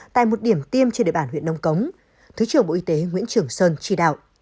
tại một điểm tiêm trên địa bàn huyện nông cống thứ trưởng bộ y tế nguyễn trường sơn chỉ đạo